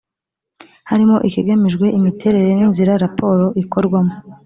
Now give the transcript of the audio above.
harimo ikigamijwe imiterere n’inzira raporo ikorwamo